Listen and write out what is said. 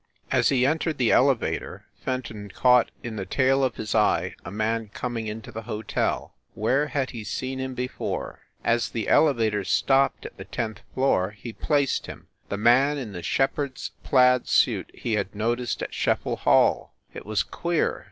As he entered the ele vator Fenton caught in the tail of his eye a man coming into the hotel where had he seen him before? As the elevator stopped at the tenth floor he placed him the man in the shepherd s plaid suit he had noticed at Scheffel Hall ! It was queer.